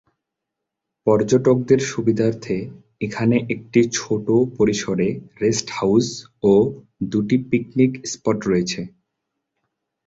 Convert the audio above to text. পর্যটকদের সুবিধার্থে এখানে একটি ছোট পরিসরের রেস্ট হাউজ ও দুটি পিকনিক স্পট রয়েছে।